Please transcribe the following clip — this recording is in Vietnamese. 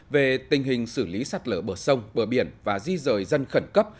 về tình hình xử lý sạt lở bờ sông bờ biển và di rời dân khẩn cấp